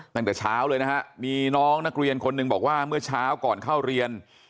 ตั้งแต่เช้าเลยนะฮะมีน้องนักเรียนคนหนึ่งบอกว่าเมื่อเช้าก่อนเข้าเรียน